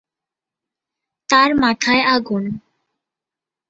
তার মাথায় আগুন।